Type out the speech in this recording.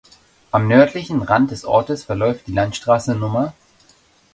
Am nördlichen Rand des Ortes verläuft die Landstraße Nr.